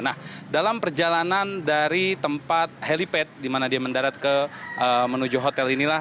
nah dalam perjalanan dari tempat helipad di mana dia mendarat menuju hotel inilah